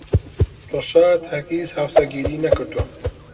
دڵشاد هەرگیز هاوسەرگیری نەکردەوە.